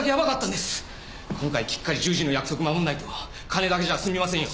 今回きっかり１０時の約束守らないと金だけじゃ済みませんよ。